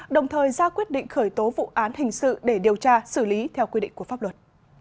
đồng thời ra quyết định khởi tố vụ án hình sự để điều tra xử lý theo quy định của pháp luật